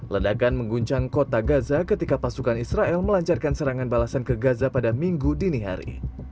ledakan mengguncang kota gaza ketika pasukan israel melancarkan serangan balasan ke gaza pada minggu dini hari